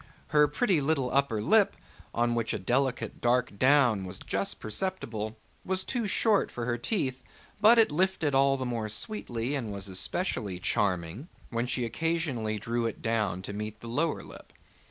Her pretty little upper lip, on which a delicate dark down was just perceptible, was too short for her teeth, but it lifted all the more sweetly, and was especially charming when she occasionally drew it down to meet the lower lip.